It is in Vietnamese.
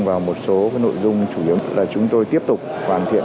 vào một số cái nội dung chủ yếu là chúng tôi tiếp tục hoàn thiện